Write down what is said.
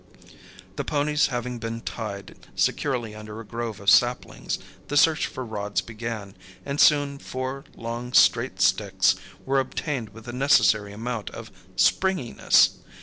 The ponies having been tied securely under a grove of saplings, the search for rods began, and soon four long straight sticks were obtained with the necessary amount of "springiness."